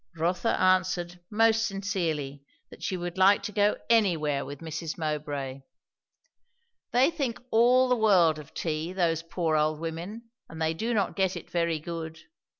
Rotha answered, most sincerely, that she would like to go anywhere with Mrs. Mowbray. "They think all the world of tea, those poor old women; and they do not get it very good.